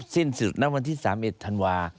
สิ้นสุดนับวันที่๓เอ็ดธันวา